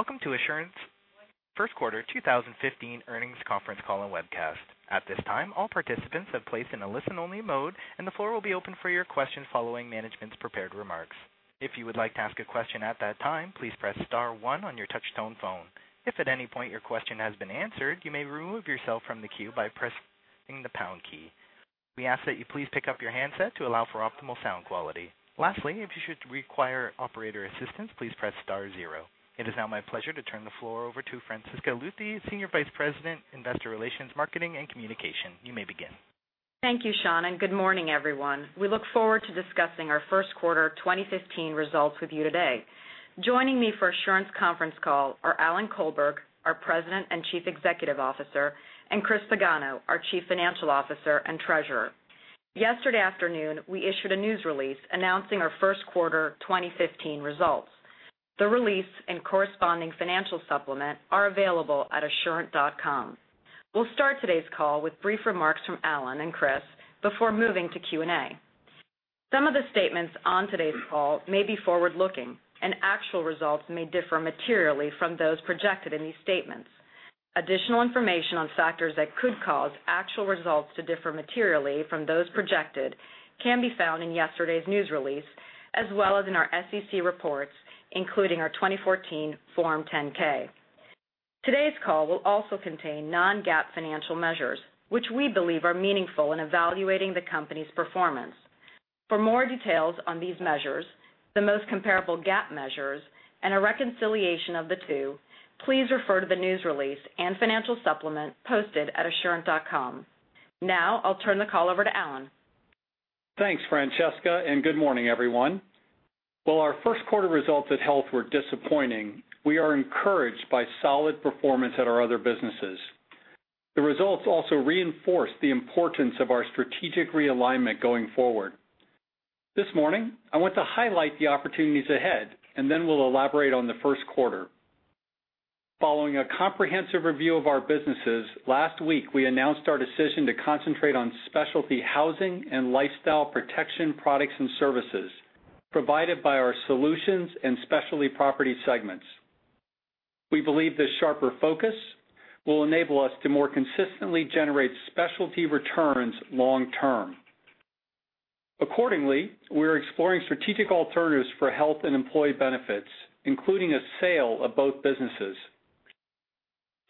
Welcome to Assurant's first quarter 2015 earnings conference call and webcast. At this time, all participants have placed in a listen only mode, and the floor will be open for your questions following management's prepared remarks. If you would like to ask a question at that time, please press star one on your touch-tone phone. If at any point your question has been answered, you may remove yourself from the queue by pressing the pound key. We ask that you please pick up your handset to allow for optimal sound quality. Lastly, if you should require operator assistance, please press star zero. It is now my pleasure to turn the floor over to Francesca Luthi, Senior Vice President, Investor Relations, Marketing, and Communication. You may begin. Thank you, Sean. Good morning, everyone. We look forward to discussing our first quarter 2015 results with you today. Joining me for Assurant's conference call are Alan Colberg, our President and Chief Executive Officer, and Christopher Pagano, our Chief Financial Officer and Treasurer. Yesterday afternoon, we issued a news release announcing our first quarter 2015 results. The release and corresponding financial supplement are available at assurant.com. We'll start today's call with brief remarks from Alan and Chris before moving to Q&A. Some of the statements on today's call may be forward-looking, and actual results may differ materially from those projected in these statements. Additional information on factors that could cause actual results to differ materially from those projected can be found in yesterday's news release, as well as in our SEC reports, including our 2014 Form 10-K. Today's call will also contain non-GAAP financial measures, which we believe are meaningful in evaluating the company's performance. For more details on these measures, the most comparable GAAP measures, and a reconciliation of the two, please refer to the news release and financial supplement posted at assurant.com. Now, I'll turn the call over to Alan. Thanks, Francesca. Good morning, everyone. While our first quarter results at Health were disappointing, we are encouraged by solid performance at our other businesses. The results also reinforce the importance of our strategic realignment going forward. This morning, I want to highlight the opportunities ahead. Then we'll elaborate on the first quarter. Following a comprehensive review of our businesses, last week, we announced our decision to concentrate on specialty housing and lifestyle protection products and services provided by our Solutions and Specialty Property segments. We believe this sharper focus will enable us to more consistently generate specialty returns long term. Accordingly, we're exploring strategic alternatives for Health and Employee Benefits, including a sale of both businesses.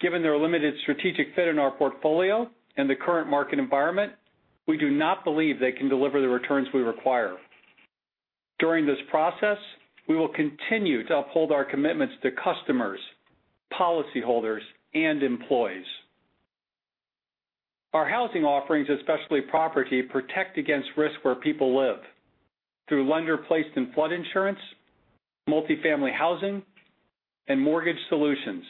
Given their limited strategic fit in our portfolio and the current market environment, we do not believe they can deliver the returns we require. During this process, we will continue to uphold our commitments to customers, policyholders, and employees. Our housing offerings, especially property, protect against risk where people live through lender-placed and flood insurance, multifamily housing, and mortgage solutions.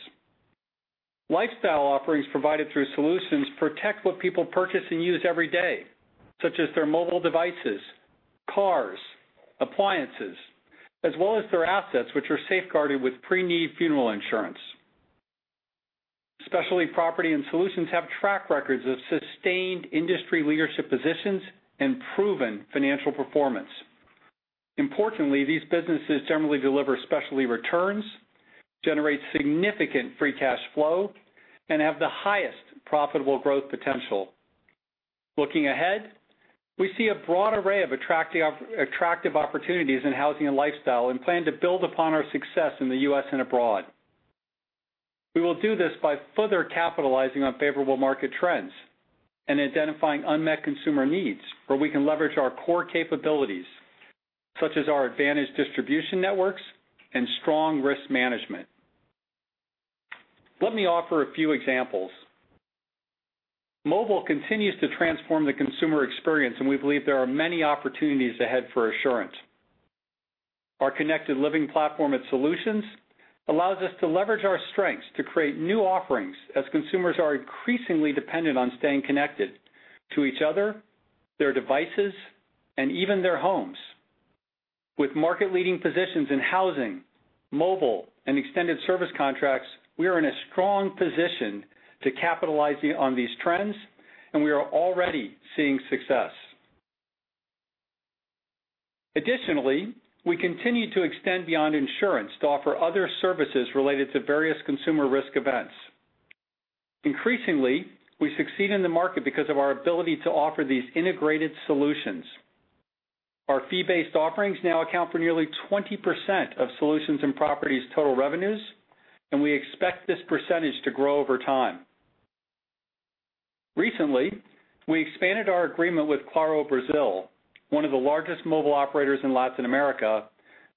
Lifestyle offerings provided through Solutions, protect what people purchase and use every day, such as their mobile devices, cars, appliances, as well as their assets, which are safeguarded with pre-need funeral insurance. Specialty Property and Solutions have track records of sustained industry leadership positions and proven financial performance. Importantly, these businesses generally deliver specialty returns, generate significant free cash flow, and have the highest profitable growth potential. Looking ahead, we see a broad array of attractive opportunities in housing and lifestyle and plan to build upon our success in the U.S. and abroad. We will do this by further capitalizing on favorable market trends and identifying unmet consumer needs where we can leverage our core capabilities, such as our advantage distribution networks and strong risk management. Let me offer a few examples. Mobile continues to transform the consumer experience. We believe there are many opportunities ahead for Assurant. Our Connected Living platform at Solutions allows us to leverage our strengths to create new offerings as consumers are increasingly dependent on staying connected to each other, their devices, and even their homes. With market leading positions in housing, mobile, and extended service contracts, we are in a strong position to capitalize on these trends. We are already seeing success. Additionally, we continue to extend beyond insurance to offer other services related to various consumer risk events. Increasingly, we succeed in the market because of our ability to offer these integrated solutions. Our fee-based offerings now account for nearly 20% of Solutions and Specialty Property's total revenues. We expect this percentage to grow over time. Recently, we expanded our agreement with Claro Brasil, one of the largest mobile operators in Latin America,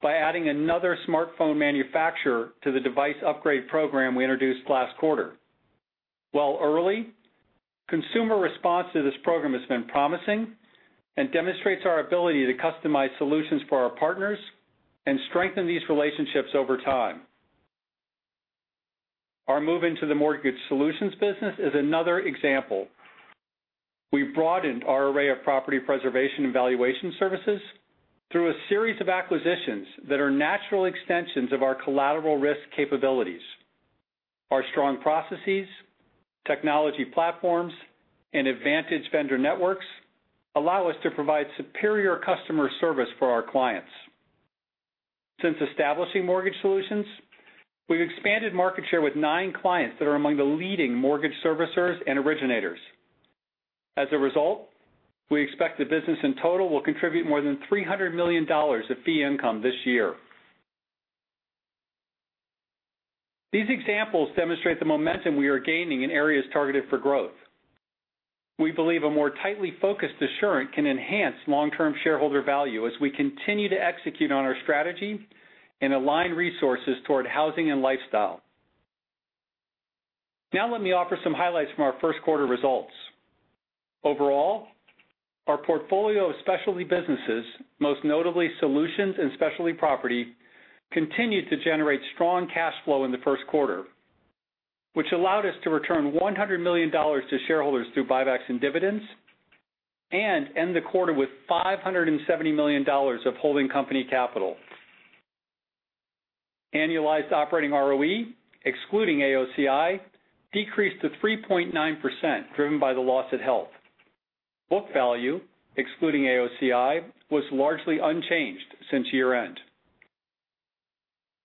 by adding another smartphone manufacturer to the device upgrade program we introduced last quarter. While early, consumer response to this program has been promising and demonstrates our ability to customize solutions for our partners and strengthen these relationships over time. Our move into the Mortgage Solutions business is another example. We've broadened our array of property preservation and valuation services through a series of acquisitions that are natural extensions of our collateral risk capabilities. Strong processes, technology platforms, and advantage vendor networks allow us to provide superior customer service for our clients. Since establishing Mortgage Solutions, we've expanded market share with nine clients that are among the leading mortgage servicers and originators. As a result, we expect the business in total will contribute more than $300 million of fee income this year. These examples demonstrate the momentum we are gaining in areas targeted for growth. We believe a more tightly focused Assurant can enhance long-term shareholder value as we continue to execute on our strategy and align resources toward housing and lifestyle. Now let me offer some highlights from our first quarter results. Overall, our portfolio of specialty businesses, most notably Solutions and Specialty Property, continued to generate strong cash flow in the first quarter, which allowed us to return $100 million to shareholders through buybacks and dividends and end the quarter with $570 million of holding company capital. Annualized operating ROE, excluding AOCI, decreased to 3.9%, driven by the loss at Health. Book value, excluding AOCI, was largely unchanged since year-end.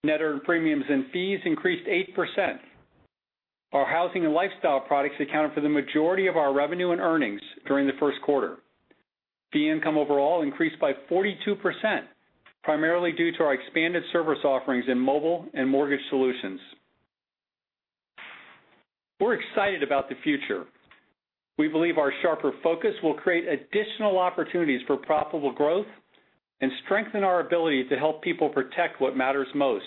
Net earned premiums and fees increased 8%. Our housing and lifestyle products accounted for the majority of our revenue and earnings during the first quarter. Fee income overall increased by 42%, primarily due to our expanded service offerings in mobile and mortgage solutions. We're excited about the future. We believe our sharper focus will create additional opportunities for profitable growth and strengthen our ability to help people protect what matters most,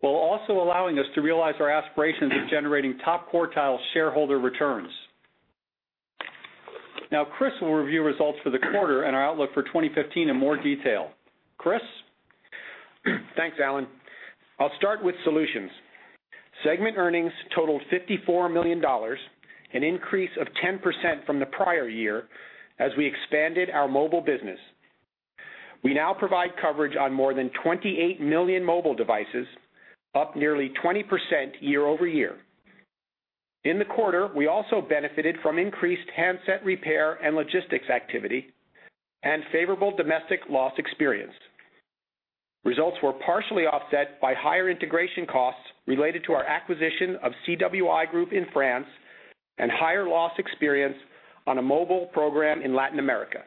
while also allowing us to realize our aspirations of generating top-quartile shareholder returns. Now Chris will review results for the quarter and our outlook for 2015 in more detail. Chris? Thanks, Alan. I'll start with Solutions. Segment earnings totaled $54 million, an increase of 10% from the prior year, as we expanded our mobile business. We now provide coverage on more than 28 million mobile devices, up nearly 20% year-over-year. In the quarter, we also benefited from increased handset repair and logistics activity and favorable domestic loss experience. Results were partially offset by higher integration costs related to our acquisition of CWI Group in France and higher loss experience on a mobile program in Latin America.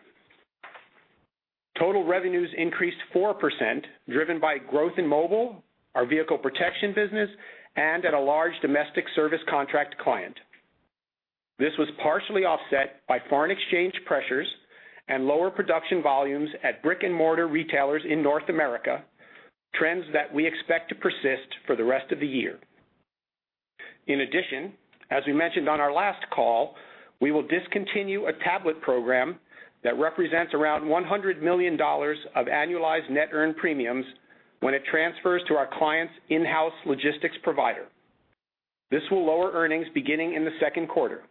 Total revenues increased 4%, driven by growth in mobile, our vehicle protection business, and at a large domestic service contract client. This was partially offset by foreign exchange pressures and lower production volumes at brick-and-mortar retailers in North America, trends that we expect to persist for the rest of the year. In addition, as we mentioned on our last call, we will discontinue a tablet program that represents around $100 million of annualized net earned premiums when it transfers to our client's in-house logistics provider. This will lower earnings beginning in the second quarter.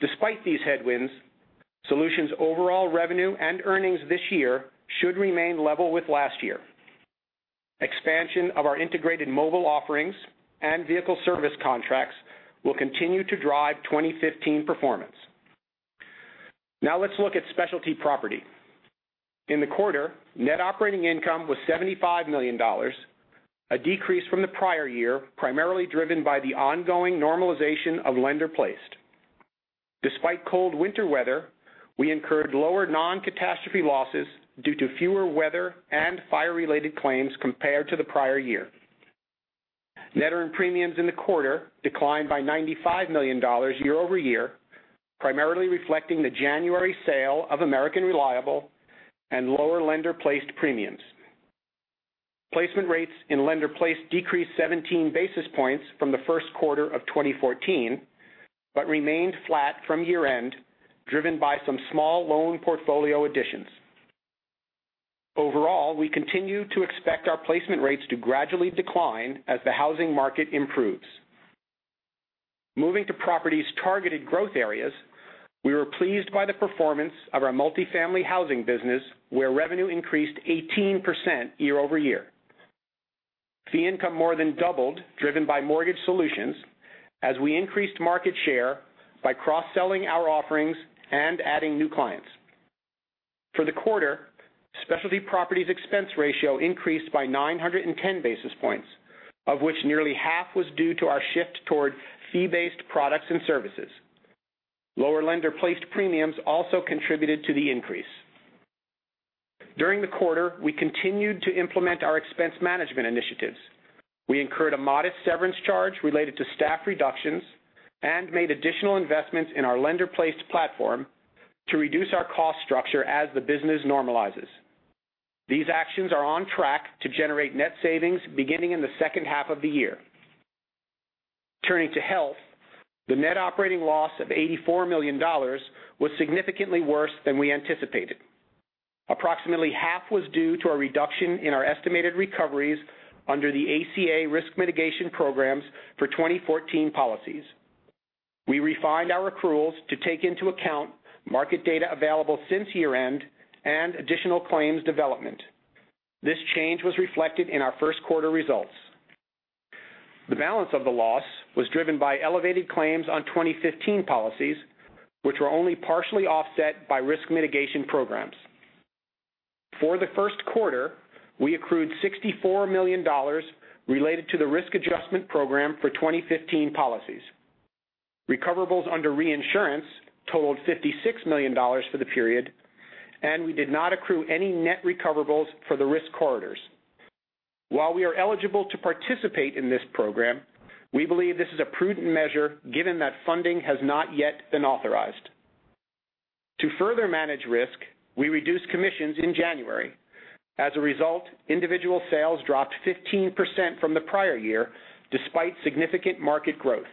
Despite these headwinds, solutions overall revenue and earnings this year should remain level with last year. Expansion of our integrated mobile offerings and vehicle service contracts will continue to drive 2015 performance. Now let's look at Specialty Property. In the quarter, net operating income was $75 million, a decrease from the prior year, primarily driven by the ongoing normalization of lender-placed. Despite cold winter weather, we incurred lower non-catastrophe losses due to fewer weather and fire-related claims compared to the prior year. Net earned premiums in the quarter declined by $95 million year-over-year, primarily reflecting the January sale of American Reliable and lower lender-placed premiums. Placement rates in lender-placed decreased 17 basis points from the first quarter of 2014, but remained flat from year-end, driven by some small loan portfolio additions. Overall, we continue to expect our placement rates to gradually decline as the housing market improves. Moving to Specialty Property's targeted growth areas, we were pleased by the performance of our multifamily housing business, where revenue increased 18% year-over-year. Fee income more than doubled, driven by Mortgage Solutions, as we increased market share by cross-selling our offerings and adding new clients. For the quarter, Specialty Property's expense ratio increased by 910 basis points, of which nearly half was due to our shift toward fee-based products and services. Lower lender-placed premiums also contributed to the increase. During the quarter, we continued to implement our expense management initiatives. We incurred a modest severance charge related to staff reductions and made additional investments in our lender-placed platform to reduce our cost structure as the business normalizes. These actions are on track to generate net savings beginning in the second half of the year. Turning to Health, the net operating loss of $84 million was significantly worse than we anticipated. Approximately half was due to a reduction in our estimated recoveries under the ACA risk mitigation programs for 2014 policies. We refined our accruals to take into account market data available since year-end and additional claims development. This change was reflected in our first quarter results. The balance of the loss was driven by elevated claims on 2015 policies, which were only partially offset by risk mitigation programs. For the first quarter, we accrued $64 million related to the risk adjustment program for 2015 policies. Recoverables under reinsurance totaled $56 million for the period. We did not accrue any net recoverables for the risk corridors. While we are eligible to participate in this program, we believe this is a prudent measure given that funding has not yet been authorized. To further manage risk, we reduced commissions in January. As a result, individual sales dropped 15% from the prior year despite significant market growth.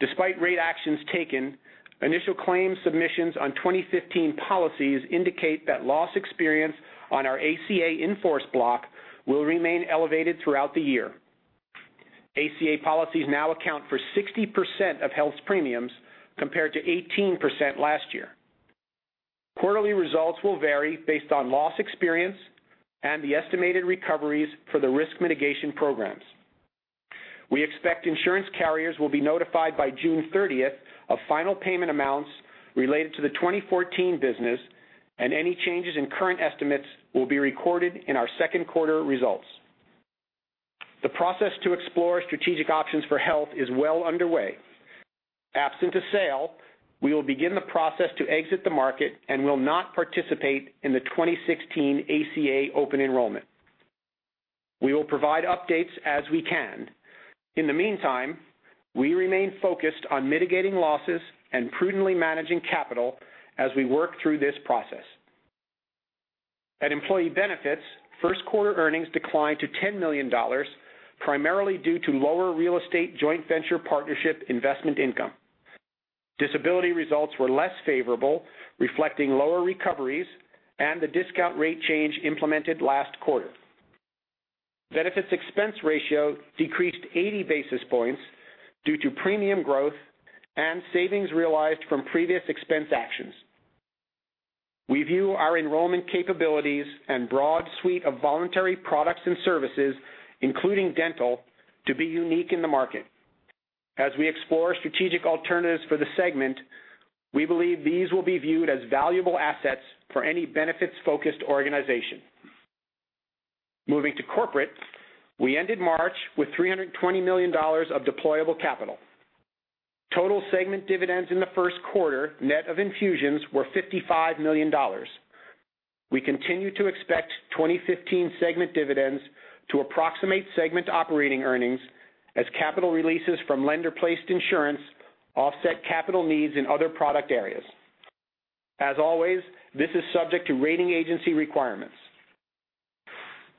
Despite rate actions taken, initial claims submissions on 2015 policies indicate that loss experience on our ACA in-force block will remain elevated throughout the year. ACA policies now account for 60% of Health's premiums, compared to 18% last year. Quarterly results will vary based on loss experience and the estimated recoveries for the risk mitigation programs. We expect insurance carriers will be notified by June 30th of final payment amounts related to the 2014 business. Any changes in current estimates will be recorded in our second quarter results. The process to explore strategic options for Health is well underway. Absent a sale, we will begin the process to exit the market and will not participate in the 2016 ACA open enrollment. We will provide updates as we can. In the meantime, we remain focused on mitigating losses and prudently managing capital as we work through this process. At Employee Benefits, first quarter earnings declined to $10 million, primarily due to lower real estate joint venture partnership investment income. Disability results were less favorable, reflecting lower recoveries and the discount rate change implemented last quarter. Benefits expense ratio decreased 80 basis points due to premium growth and savings realized from previous expense actions. We view our enrollment capabilities and broad suite of voluntary products and services, including dental, to be unique in the market. As we explore strategic alternatives for the segment, we believe these will be viewed as valuable assets for any benefits-focused organization. Moving to Corporate, we ended March with $320 million of deployable capital. Total segment dividends in the first quarter, net of infusions, were $55 million. We continue to expect 2015 segment dividends to approximate segment operating earnings as capital releases from lender-placed insurance offset capital needs in other product areas. As always, this is subject to rating agency requirements.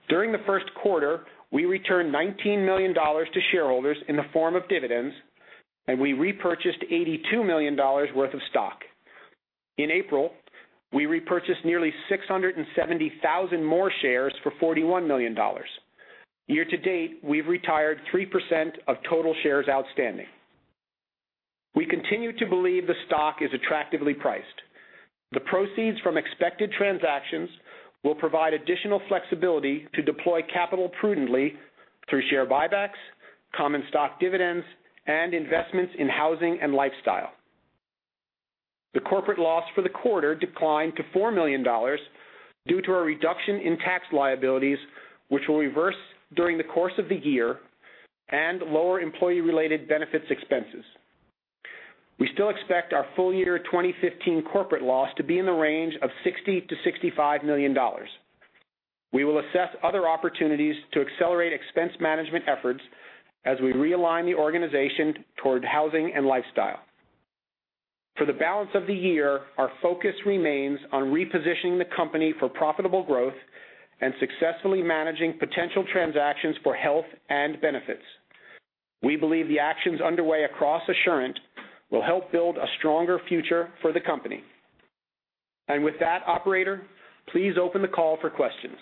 During the first quarter, we returned $19 million to shareholders in the form of dividends. We repurchased $82 million worth of stock. In April, we repurchased nearly 670,000 more shares for $41 million. Year to date, we've retired 3% of total shares outstanding. We continue to believe the stock is attractively priced. The proceeds from expected transactions will provide additional flexibility to deploy capital prudently through share buybacks, common stock dividends, and investments in housing and lifestyle. The corporate loss for the quarter declined to $4 million due to a reduction in tax liabilities, which will reverse during the course of the year, and lower employee-related benefits expenses. We still expect our full-year 2015 corporate loss to be in the range of $60 million-$65 million. We will assess other opportunities to accelerate expense management efforts as we realign the organization toward housing and lifestyle. For the balance of the year, our focus remains on repositioning the company for profitable growth and successfully managing potential transactions for Health and Benefits. We believe the actions underway across Assurant will help build a stronger future for the company. With that, operator, please open the call for questions.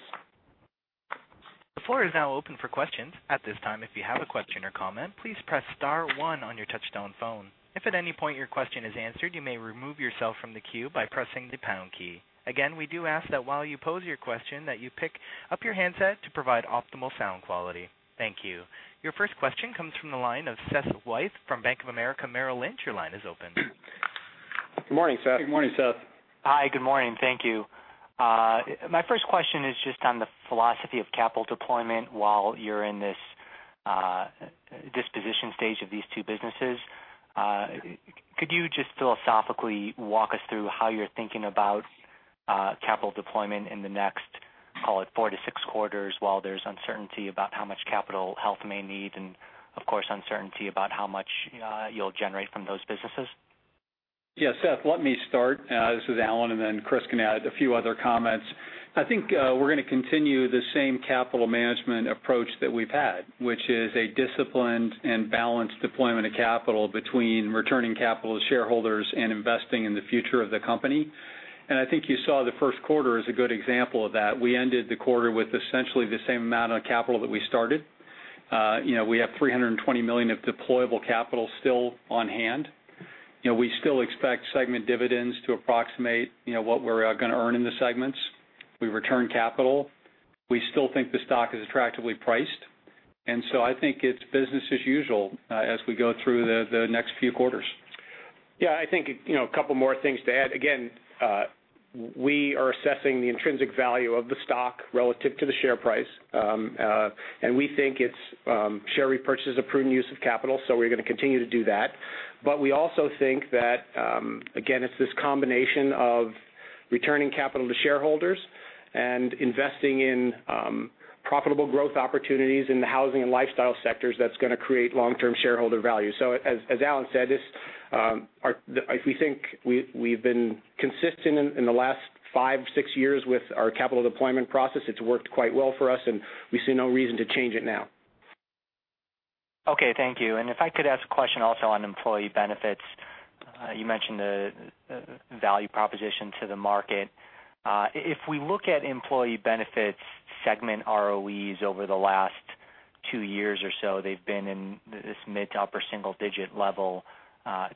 The floor is now open for questions. At this time, if you have a question or comment, please press *1 on your touch-tone phone. If at any point your question is answered, you may remove yourself from the queue by pressing the # key. Again, we do ask that while you pose your question, that you pick up your handset to provide optimal sound quality. Thank you. Your first question comes from the line of Seth Weiss from Bank of America Merrill Lynch. Your line is open. Good morning, Seth. Good morning, Seth. Hi. Good morning. Thank you. My first question is just on the philosophy of capital deployment while you're in this disposition stage of these two businesses. Could you just philosophically walk us through how you're thinking about capital deployment in the next, call it, four to six quarters, while there's uncertainty about how much capital Health may need and of course, uncertainty about how much you'll generate from those businesses? Seth, let me start. This is Alan. Chris can add a few other comments. I think we're going to continue the same capital management approach that we've had, which is a disciplined and balanced deployment of capital between returning capital to shareholders and investing in the future of the company. I think you saw the first quarter as a good example of that. We ended the quarter with essentially the same amount of capital that we started. We have $320 million of deployable capital still on hand. We still expect segment dividends to approximate what we're going to earn in the segments. We return capital. We still think the stock is attractively priced. I think it's business as usual as we go through the next few quarters. I think a couple more things to add. Again, we are assessing the intrinsic value of the stock relative to the share price. We think share repurchase is a prudent use of capital, we're going to continue to do that. We also think that, again, it's this combination of returning capital to shareholders and investing in profitable growth opportunities in the housing and lifestyle sectors that's going to create long-term shareholder value. As Alan said, we think we've been consistent in the last five, six years with our capital deployment process. It's worked quite well for us, and we see no reason to change it now. Okay, thank you. If I could ask a question also on Employee Benefits. You mentioned the value proposition to the market. If we look at Employee Benefits segment ROEs over the last two years or so, they've been in this mid to upper single-digit level,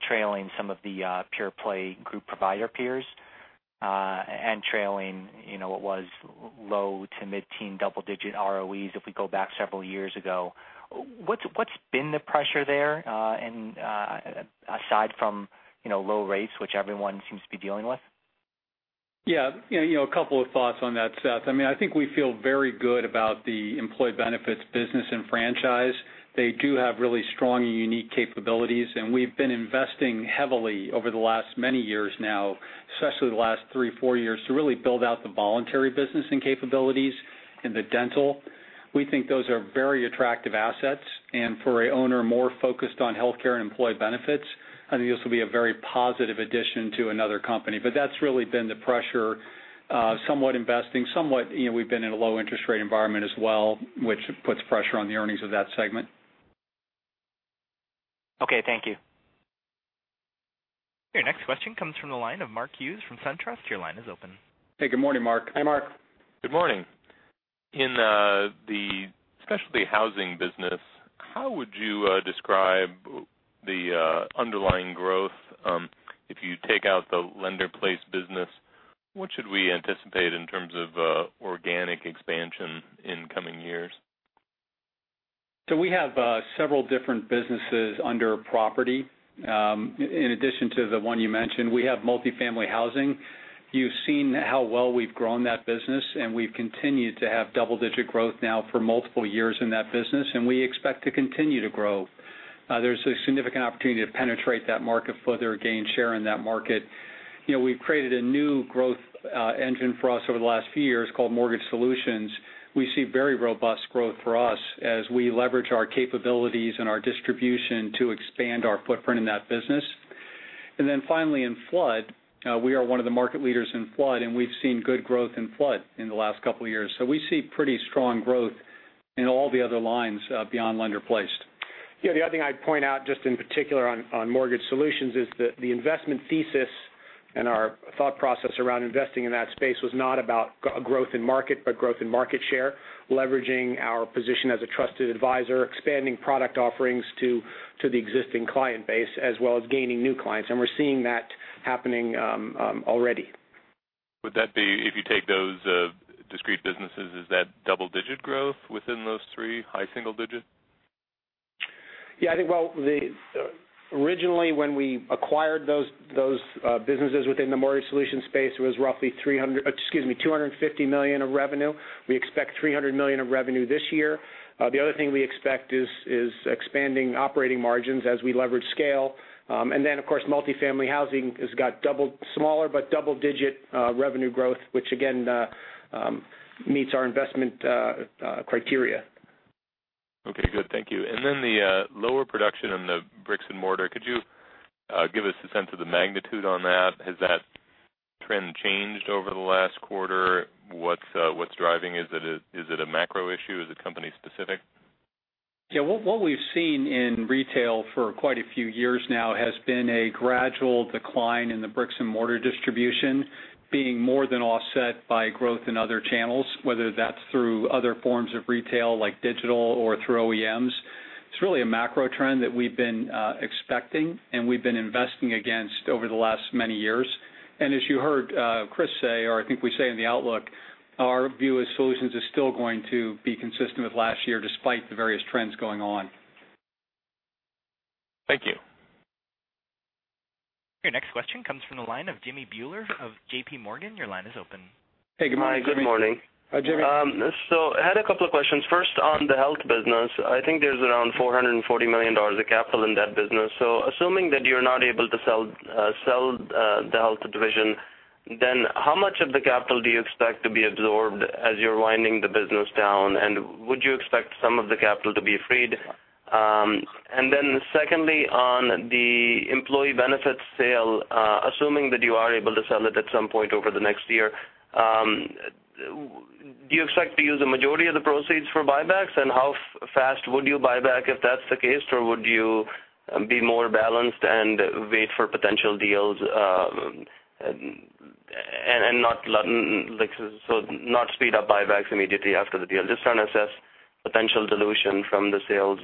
trailing some of the pure play group provider peers, and trailing what was low to mid-teen double-digit ROEs if we go back several years ago. What's been the pressure there, aside from low rates, which everyone seems to be dealing with? A couple of thoughts on that, Seth. I think we feel very good about the Employee Benefits business and franchise. They do have really strong and unique capabilities, and we've been investing heavily over the last many years now, especially the last three, four years, to really build out the voluntary business and capabilities in the dental. We think those are very attractive assets, and for a owner more focused on healthcare and Employee Benefits, I think this will be a very positive addition to another company. That's really been the pressure, somewhat investing, somewhat we've been in a low interest rate environment as well, which puts pressure on the earnings of that segment. Okay, thank you. Your next question comes from the line of Mark Hughes from SunTrust. Your line is open. Hey, good morning, Mark. Hi, Mark. Good morning. In the Specialty Housing business, how would you describe the underlying growth if you take out the lender-placed business? What should we anticipate in terms of organic expansion in coming years? We have several different businesses under property. In addition to the one you mentioned, we have multi-family housing. You've seen how well we've grown that business, and we've continued to have double-digit growth now for multiple years in that business, and we expect to continue to grow. There's a significant opportunity to penetrate that market further, gain share in that market. We've created a new growth engine for us over the last few years called Mortgage Solutions. We see very robust growth for us as we leverage our capabilities and our distribution to expand our footprint in that business. Finally, in flood, we are one of the market leaders in flood, and we've seen good growth in flood in the last couple of years. We see pretty strong growth in all the other lines beyond lender-placed. The other thing I'd point out just in particular on Mortgage Solutions is that the investment thesis and our thought process around investing in that space was not about growth in market, but growth in market share, leveraging our position as a trusted advisor, expanding product offerings to the existing client base, as well as gaining new clients. We're seeing that happening already. Would that be, if you take those discrete businesses, is that double-digit growth within those three, high single digit? I think, originally when we acquired those businesses within the Mortgage Solutions space, it was roughly $250 million of revenue. We expect $300 million of revenue this year. The other thing we expect is expanding operating margins as we leverage scale. Of course, multifamily housing has got smaller but double-digit revenue growth, which again, meets our investment criteria. Okay, good. Thank you. The lower production on the bricks-and-mortar, could you give us a sense of the magnitude on that? Has that trend changed over the last quarter? What's driving? Is it a macro issue? Is it company specific? Yeah. What we've seen in retail for quite a few years now has been a gradual decline in the bricks and mortar distribution being more than offset by growth in other channels, whether that's through other forms of retail, like digital or through OEMs. It's really a macro trend that we've been expecting and we've been investing against over the last many years. As you heard Chris say or I think we say in the outlook, our view is Solutions is still going to be consistent with last year despite the various trends going on. Thank you. Your next question comes from the line of Jimmy Bhullar of J.P. Morgan. Your line is open. Hey, good morning. Hi, good morning. Jimmy. I had a couple of questions. First, on the Health business, I think there's around $440 million of capital in that business. Assuming that you're not able to sell the Health division, how much of the capital do you expect to be absorbed as you're winding the business down? Would you expect some of the capital to be freed? Secondly, on the Employee Benefits sale, assuming that you are able to sell it at some point over the next year. Do you expect to use the majority of the proceeds for buybacks? How fast would you buy back if that's the case? Would you be more balanced and wait for potential deals, and not speed up buybacks immediately after the deal? Just trying to assess potential dilution from the sale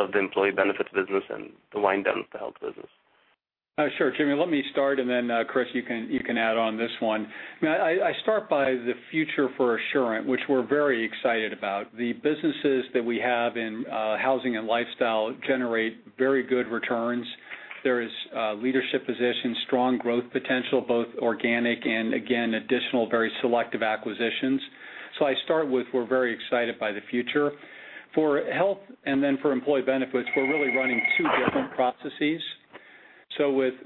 of the Employee Benefits business and the wind down of the Health business. Sure, Jimmy, let me start, Chris, you can add on this one. I start by the future for Assurant, which we're very excited about. The businesses that we have in housing and lifestyle generate very good returns. There is a leadership position, strong growth potential, both organic and again, additional very selective acquisitions. I start with, we're very excited by the future. For Health, for Employee Benefits, we're really running two different processes.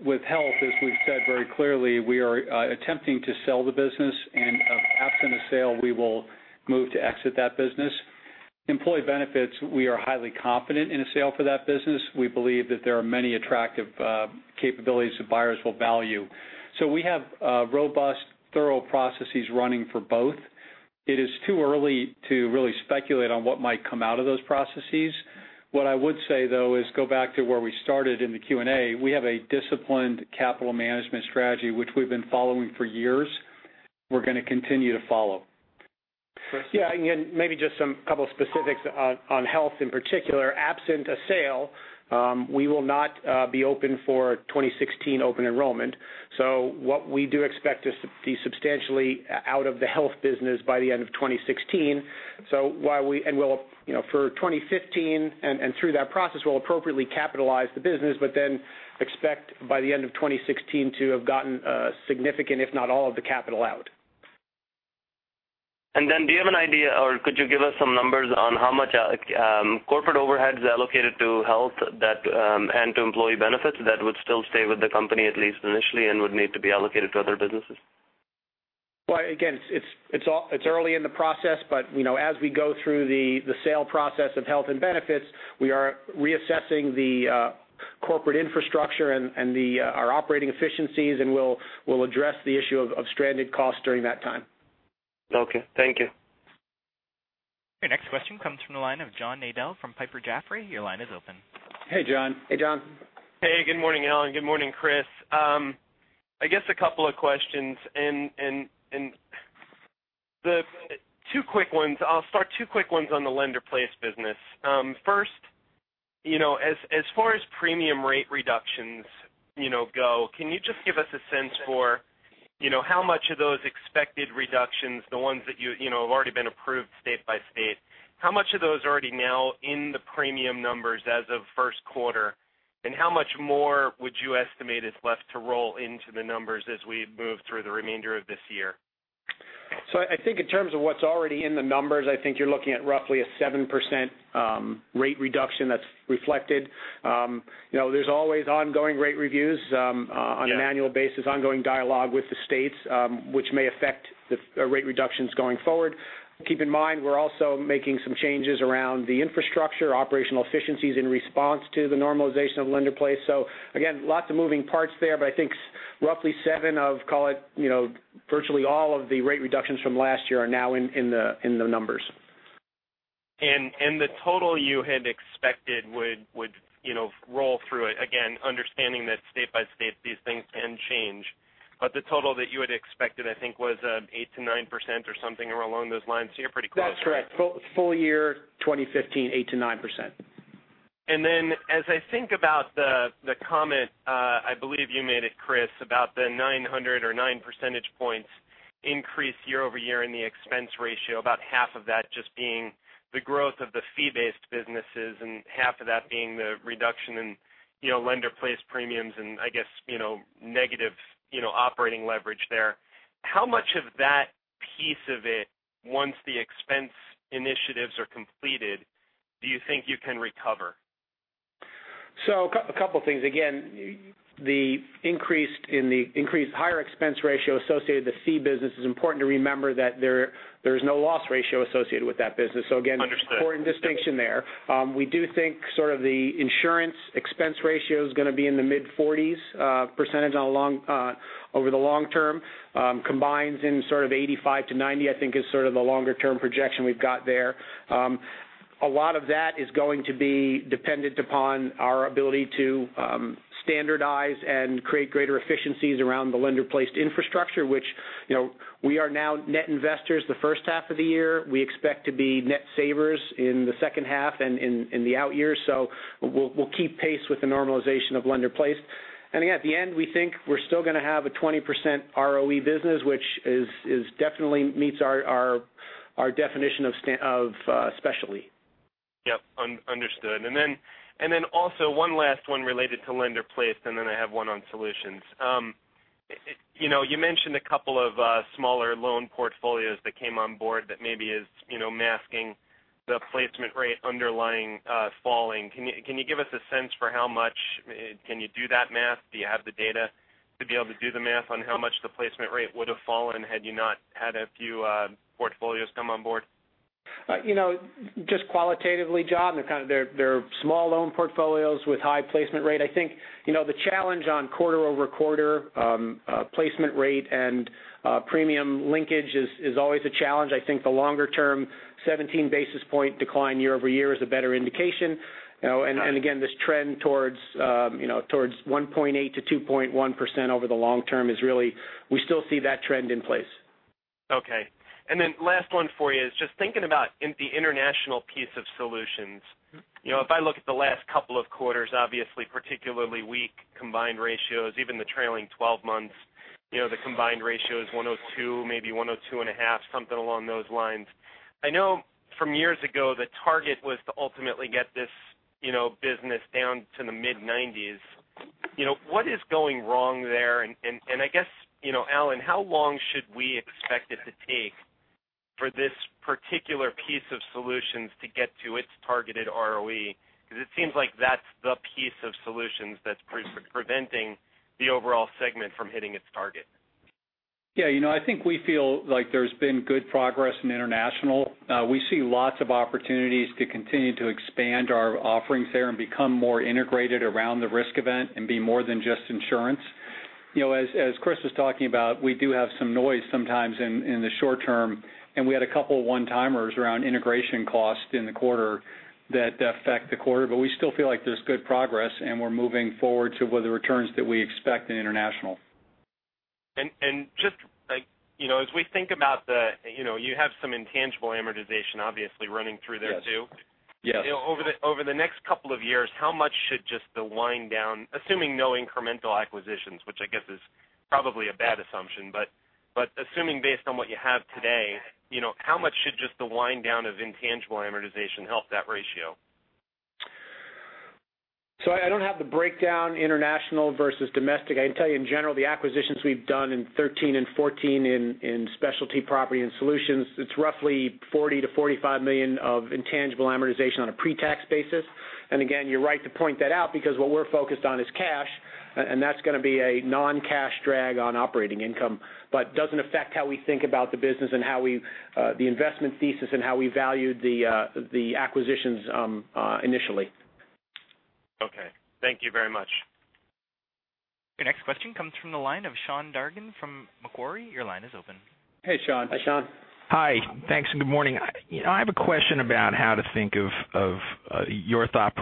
With Health, as we've said very clearly, we are attempting to sell the business, and absent a sale, we will move to exit that business. Employee Benefits, we are highly confident in a sale for that business. We believe that there are many attractive capabilities that buyers will value. We have robust, thorough processes running for both. It is too early to really speculate on what might come out of those processes. What I would say, though, is go back to where we started in the Q&A. We have a disciplined capital management strategy, which we've been following for years. We're going to continue to follow. Chris? Yeah. Again, maybe just a couple specifics on Health in particular. Absent a sale, we will not be open for 2016 open enrollment. What we do expect is to be substantially out of the Health business by the end of 2016. For 2015 and through that process, we'll appropriately capitalize the business, expect by the end of 2016 to have gotten significant, if not all, of the capital out. Do you have an idea, or could you give us some numbers on how much corporate overhead is allocated to Health and to Employee Benefits that would still stay with the company, at least initially, and would need to be allocated to other businesses? Well, again, it's early in the process, but as we go through the sale process of Health and Benefits, we are reassessing the corporate infrastructure and our operating efficiencies, and we'll address the issue of stranded costs during that time. Okay. Thank you. Your next question comes from the line of John Nadel from Piper Jaffray. Your line is open. Hey, John. Hey, John. Hey, good morning, Alan. Good morning, Chris. I guess a couple of questions, two quick ones. I will start two quick ones on the lender-placed business. First, as far as premium rate reductions go, can you just give us a sense for how much of those expected reductions, the ones that have already been approved state by state, how much of those are already now in the premium numbers as of first quarter, and how much more would you estimate is left to roll into the numbers as we move through the remainder of this year? I think in terms of what is already in the numbers, I think you are looking at roughly a 7% rate reduction that is reflected. There is always ongoing rate reviews on an annual basis, ongoing dialogue with the states, which may affect the rate reductions going forward. Keep in mind, we are also making some changes around the infrastructure, operational efficiencies in response to the normalization of lender-placed. Again, lots of moving parts there, but I think roughly seven of, call it, virtually all of the rate reductions from last year are now in the numbers. The total you had expected would roll through it, again, understanding that state by state these things can change. The total that you had expected, I think, was 8%-9% or something along those lines. You are pretty close. That is correct. Full year 2015, 8%-9%. As I think about the comment, I believe you made it, Chris, about the 900 or nine percentage points increase year-over-year in the expense ratio, about half of that just being the growth of the fee-based businesses and half of that being the reduction in lender-placed premiums and I guess negative operating leverage there. How much of that piece of it, once the expense initiatives are completed, do you think you can recover? A couple things. Again, the increase in the higher expense ratio associated with the fee business is important to remember that there is no loss ratio associated with that business. Understood Important distinction there. We do think the insurance expense ratio is going to be in the mid-40s% over the long term. Combines in 85%-90%, I think, is the longer-term projection we've got there. A lot of that is going to be dependent upon our ability to standardize and create greater efficiencies around the lender-placed infrastructure, which we are now net investors the first half of the year. We expect to be net savers in the second half and in the out years. We'll keep pace with the normalization of lender-placed. Again, at the end, we think we're still going to have a 20% ROE business, which definitely meets our definition of Specialty. Yep. Understood. Also one last one related to lender-placed, and then I have one on Solutions. You mentioned a couple of smaller loan portfolios that came on board that maybe is masking the placement rate underlying falling. Can you give us a sense for how much? Can you do that math? Do you have the data to be able to do the math on how much the placement rate would have fallen had you not had a few portfolios come on board? Just qualitatively, John, they're small loan portfolios with high placement rate. I think the challenge on quarter-over-quarter placement rate and premium linkage is always a challenge. I think the longer-term 17 basis point decline year-over-year is a better indication. Right. Again, this trend towards 1.8%-2.1% over the long term, we still see that trend in place. Okay. Then last one for you is just thinking about the international piece of Solutions. If I look at the last couple of quarters, obviously particularly weak combined ratios, even the trailing 12 months, the combined ratio is 102, maybe 102.5, something along those lines. I know from years ago, the target was to ultimately get this business down to the mid-90s. What is going wrong there, and I guess, Alan, how long should we expect it to take for this particular piece of Solutions to get to its targeted ROE? Because it seems like that's the piece of Solutions that's preventing the overall segment from hitting its target. Yeah. I think we feel like there's been good progress in international. We see lots of opportunities to continue to expand our offerings there and become more integrated around the risk event and be more than just insurance. As Chris was talking about, we do have some noise sometimes in the short term, and we had a couple one-timers around integration cost in the quarter that affect the quarter. We still feel like there's good progress, and we're moving forward to the returns that we expect in international. Just as we think about the, you have some intangible amortization obviously running through there too. Yes. Over the next couple of years, how much should just the wind down, assuming no incremental acquisitions, which I guess is probably a bad assumption, but assuming based on what you have today, how much should just the wind down of intangible amortization help that ratio? I don't have the breakdown international versus domestic. I can tell you in general, the acquisitions we've done in 2013 and 2014 in Specialty Property and Solutions, it's roughly $40 million-$45 million of intangible amortization on a pre-tax basis. Again, you're right to point that out because what we're focused on is cash, and that's going to be a non-cash drag on operating income, but doesn't affect how we think about the business and the investment thesis and how we valued the acquisitions initially. Okay. Thank you very much. Your next question comes from the line of Sean Dargan from Macquarie. Your line is open. Hey, Sean. Hi, Sean. Hi. Thanks, and good morning. I have a question about how to think of your thought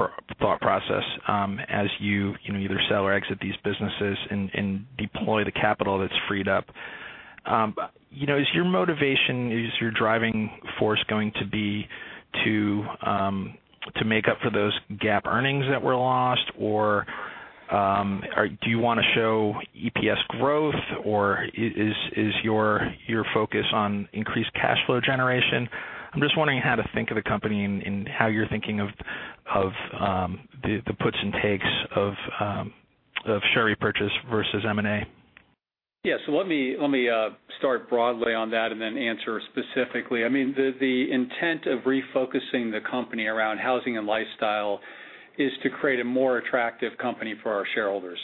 process as you either sell or exit these businesses and deploy the capital that's freed up. Is your motivation, is your driving force going to be to make up for those GAAP earnings that were lost, or do you want to show EPS growth, or is your focus on increased cash flow generation? I'm just wondering how to think of the company and how you're thinking of the puts and takes of share repurchase versus M&A. Yeah. Let me start broadly on that and then answer specifically. The intent of refocusing the company around housing and lifestyle is to create a more attractive company for our shareholders.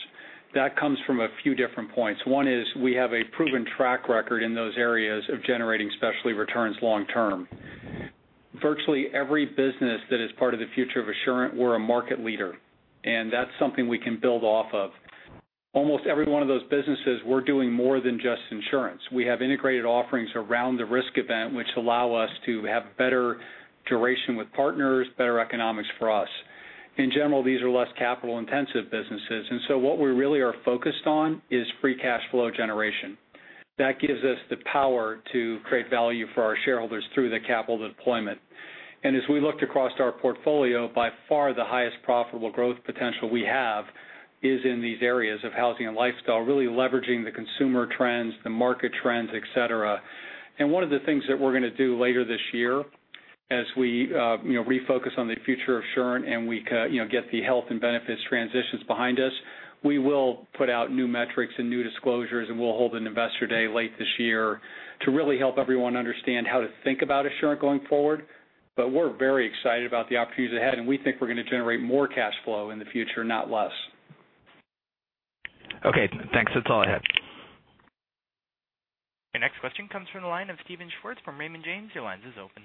That comes from a few different points. One is we have a proven track record in those areas of generating specialty returns long term. Virtually every business that is part of the future of Assurant, we're a market leader, and that's something we can build off of. Almost every one of those businesses, we're doing more than just insurance. We have integrated offerings around the risk event, which allow us to have better duration with partners, better economics for us. In general, these are less capital-intensive businesses. What we really are focused on is free cash flow generation. That gives us the power to create value for our shareholders through the capital deployment. As we looked across our portfolio, by far the highest profitable growth potential we have is in these areas of housing and lifestyle, really leveraging the consumer trends, the market trends, et cetera. One of the things that we're going to do later this year as we refocus on the future of Assurant and we get the Health and Benefits transitions behind us, we will put out new metrics and new disclosures, and we'll hold an investor day late this year to really help everyone understand how to think about Assurant going forward. We're very excited about the opportunities ahead, and we think we're going to generate more cash flow in the future, not less. Okay. Thanks. That's all I had. Your next question comes from the line of Steven Schwartz from Raymond James. Your line is open.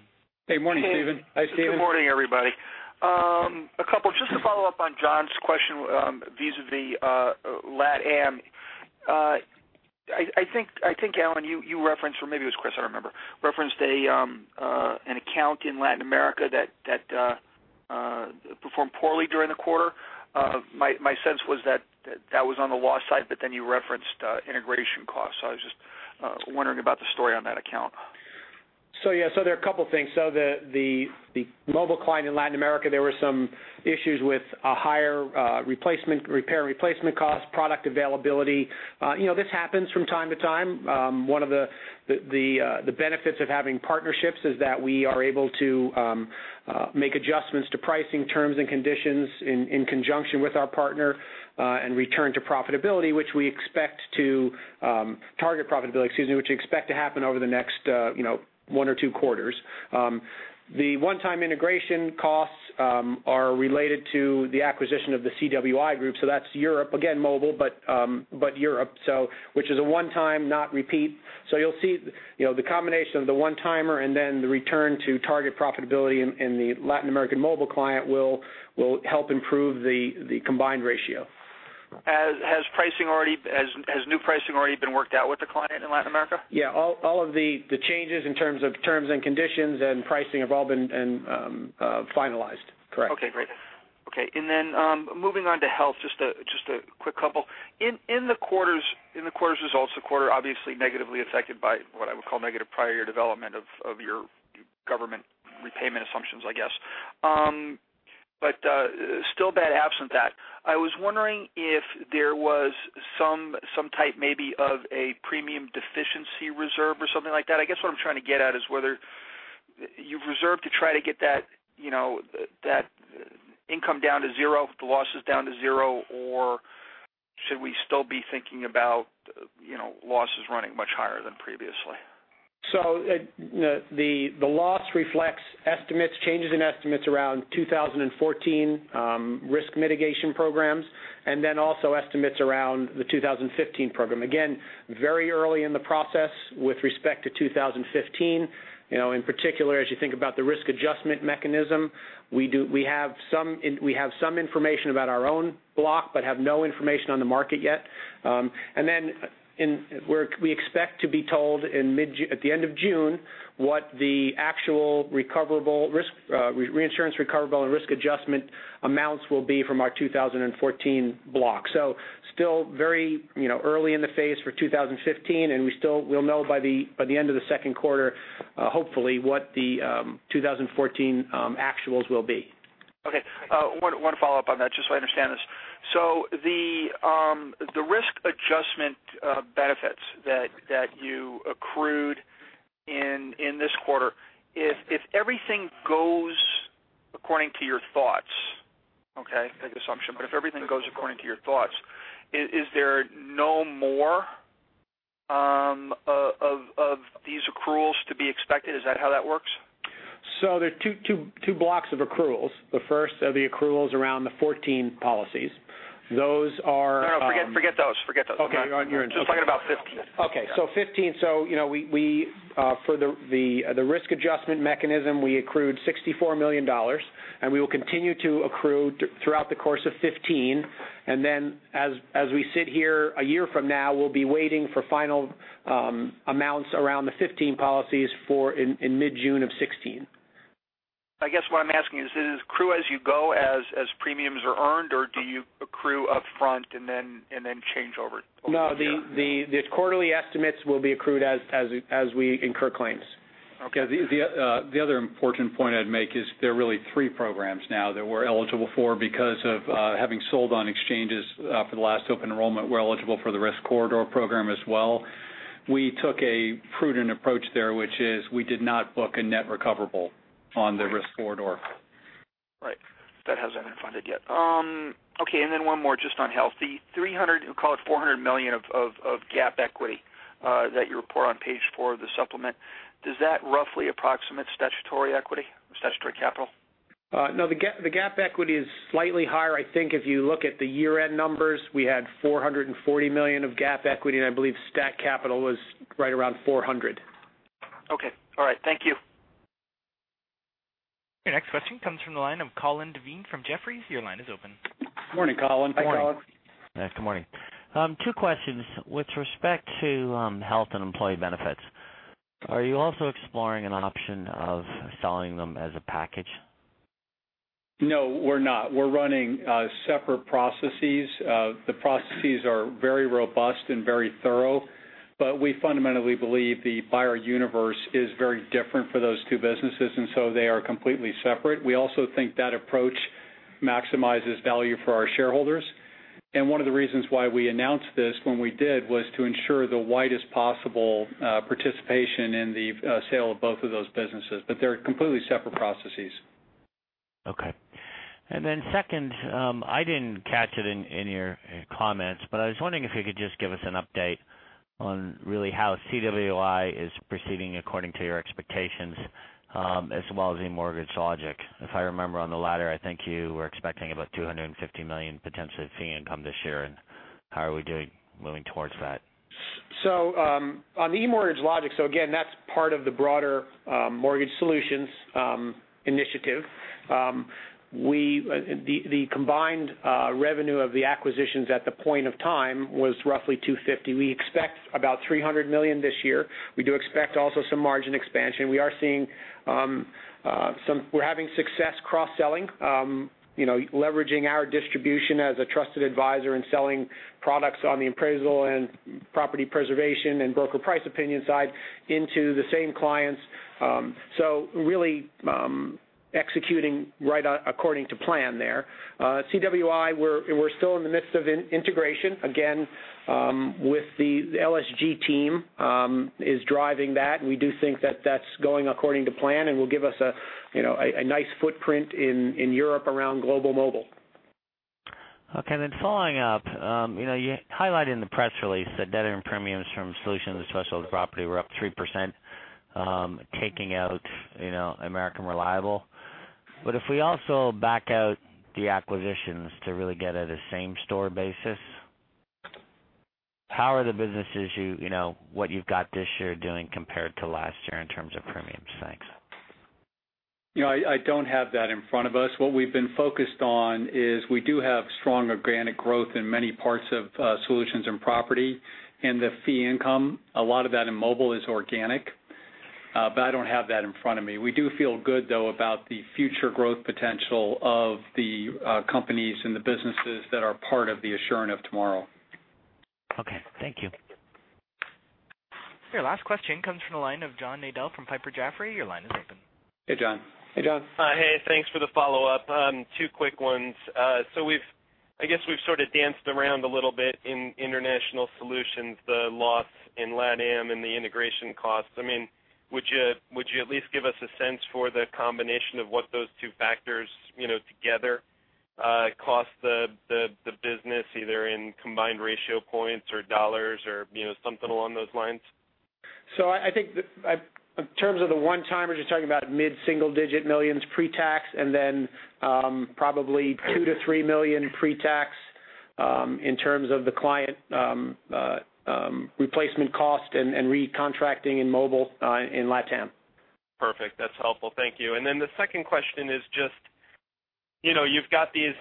Hey morning, Steven. Hi, Steven. Good morning, everybody. A couple, just to follow up on John's question vis-à-vis LatAm. I think, Alan, you referenced, or maybe it was Chris, I don't remember, referenced an account in Latin America that performed poorly during the quarter. My sense was that was on the loss side, but then you referenced integration costs. I was just wondering about the story on that account. Yeah. There are a couple things. The mobile client in Latin America, there were some issues with a higher repair and replacement cost, product availability. This happens from time to time. One of the benefits of having partnerships is that we are able to make adjustments to pricing terms and conditions in conjunction with our partner, and return to profitability, which we expect to target profitability, excuse me, which we expect to happen over the next one or two quarters. The one-time integration costs are related to the acquisition of the CWI Group, so that's Europe, again, mobile, but Europe. Which is a one-time, not repeat. You'll see the combination of the one-timer and then the return to target profitability in the Latin American mobile client will help improve the combined ratio. Has new pricing already been worked out with the client in Latin America? Yeah. All of the changes in terms of terms and conditions and pricing have all been finalized. Correct. Okay, great. Moving on to Health, just a quick couple. In the quarter's results, the quarter obviously negatively affected by what I would call negative prior year development of your government repayment assumptions, I guess. Still bad absent that. I was wondering if there was some type maybe of a premium deficiency reserve or something like that. I guess what I'm trying to get at is whether you've reserved to try to get that income down to zero, the losses down to zero, or should we still be thinking about losses running much higher than previously? The loss reflects changes in estimates around 2014 risk mitigation programs, and then also estimates around the 2015 program. Again, very early in the process with respect to 2015. In particular, as you think about the risk adjustment mechanism, we have some information about our own block, but have no information on the market yet. We expect to be told at the end of June what the actual reinsurance recoverable and risk adjustment amounts will be from our 2014 block. Still very early in the phase for 2015, and we'll know by the end of the second quarter, hopefully, what the 2014 actuals will be. Okay. One follow-up on that, just so I understand this. The risk adjustment benefits that you accrued in this quarter, if everything goes according to your thoughts, okay, make an assumption, but if everything goes according to your thoughts, is there no more of these accruals to be expected? Is that how that works? There are two blocks of accruals. The first are the accruals around the 2014 policies. Those are- No, forget those. Okay. I'm just talking about 2015. Okay. 2015, for the risk adjustment program, we accrued $64 million, and we will continue to accrue throughout the course of 2015. As we sit here a year from now, we'll be waiting for final amounts around the 2015 policies in mid-June of 2016. I guess what I'm asking is it accrue as you go as premiums are earned, or do you accrue upfront and then change over the year? No, the quarterly estimates will be accrued as we incur claims. Okay. The other important point I'd make is there are really three programs now that we're eligible for because of having sold on exchanges for the last open enrollment. We're eligible for the Risk Corridor program as well. We took a prudent approach there, which is we did not book a net recoverable on the Risk Corridor. Right. That hasn't been funded yet. Okay. One more just on Health. The $300, call it $400 million of GAAP equity that you report on page four of the supplement, does that roughly approximate statutory equity, statutory capital? No, the GAAP equity is slightly higher. I think if you look at the year-end numbers, we had $440 million of GAAP equity. I believe stat capital was right around $400. Okay. All right. Thank you. Your next question comes from the line of Colin Devine from Jefferies. Your line is open. Morning, Colin. Hi, Colin. Good morning. Two questions. With respect to Health and Employee Benefits, are you also exploring an option of selling them as a package? No, we're not. We're running separate processes. The processes are very robust and very thorough, but we fundamentally believe the buyer universe is very different for those two businesses, and so they are completely separate. We also think that approach maximizes value for our shareholders. One of the reasons why we announced this when we did was to ensure the widest possible participation in the sale of both of those businesses. They're completely separate processes. Second, I didn't catch it in your comments, but I was wondering if you could just give us an update on really how CWI is proceeding according to your expectations, as well as eMortgage Logic. If I remember on the latter, I think you were expecting about $250 million potentially of fee income this year. How are we doing moving towards that? On the eMortgage Logic, again, that's part of the broader Mortgage Solutions initiative. The combined revenue of the acquisitions at the point of time was roughly $250 million. We expect about $300 million this year. We do expect also some margin expansion. We're having success cross-selling, leveraging our distribution as a trusted advisor in selling products on the appraisal and property preservation and broker price opinion side into the same clients. Really executing right according to plan there. CWI, we're still in the midst of integration. Again, the LSG team is driving that. We do think that that's going according to plan and will give us a nice footprint in Europe around global mobile. Following up. You highlighted in the press release that net earned premiums from Solutions and Specialty Property were up 3%, taking out American Reliable. If we also back out the acquisitions to really get at a same store basis, how are the businesses, what you've got this year doing compared to last year in terms of premiums? Thanks. I don't have that in front of us. What we've been focused on is we do have stronger organic growth in many parts of Solutions and property, and the fee income, a lot of that in mobile is organic, but I don't have that in front of me. We do feel good, though, about the future growth potential of the companies and the businesses that are part of the Assurant of tomorrow. Okay, thank you. Your last question comes from the line of John Nadel from Piper Jaffray. Your line is open. Hey, John. Hey, John. Hi. Hey, thanks for the follow-up. Two quick ones. I guess we've sort of danced around a little bit in international Solutions, the loss in LatAm and the integration costs. Would you at least give us a sense for the combination of what those two factors together cost the business, either in combined ratio points or dollars or something along those lines? I think in terms of the one-timer, just talking about mid-single digit millions pre-tax, and then probably $2 million-$3 million pre-tax in terms of the client replacement cost and recontracting in mobile in LatAm. Perfect. That's helpful. Thank you. The second question is just, you've got these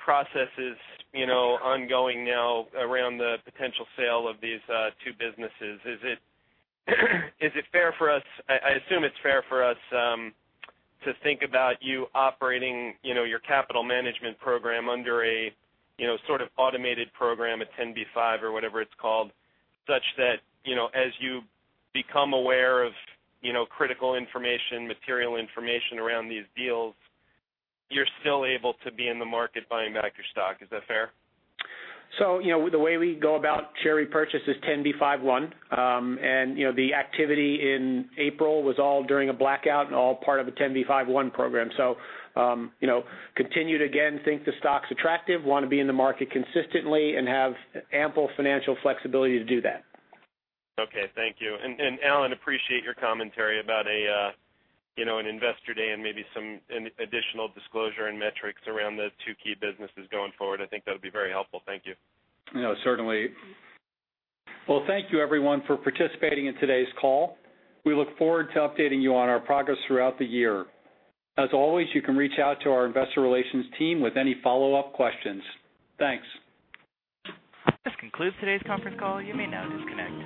processes ongoing now around the potential sale of these two businesses. I assume it's fair for us to think about you operating your capital management program under a sort of automated program, a 10b5-1 or whatever it's called, such that as you become aware of critical information, material information around these deals, you're still able to be in the market buying back your stock. Is that fair? The way we go about share repurchase is 10b5-1. The activity in April was all during a blackout and all part of a 10b5-1 program. Continue to, again, think the stock's attractive, want to be in the market consistently and have ample financial flexibility to do that. Okay, thank you. Alan, appreciate your commentary about an investor day and maybe some additional disclosure and metrics around the two key businesses going forward. I think that'd be very helpful. Thank you. Certainly. Well, thank you everyone for participating in today's call. We look forward to updating you on our progress throughout the year. As always, you can reach out to our investor relations team with any follow-up questions. Thanks. This concludes today's conference call. You may now disconnect.